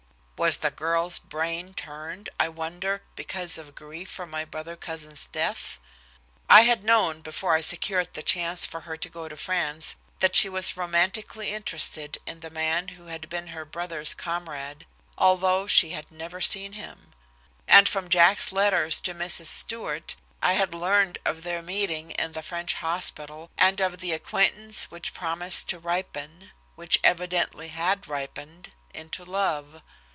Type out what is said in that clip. Was the girl's brain turned, I wondered, because of grief for my brother cousin's death? I had known before I secured the chance for her to go to France that she was romantically interested in the man who had been her brother's comrade, although she had never seen him. And from Jack's letters to Mrs. Stewart, I had learned of their meeting in the French hospital, and of the acquaintance which promised to ripen which evidently had ripened into love.